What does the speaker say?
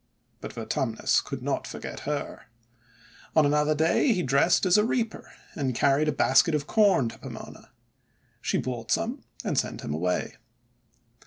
But Vertumnus could not forget her. On another day he dressed as a reaper and carried a basket of Corn to Pomona. She bought some, and sent him away.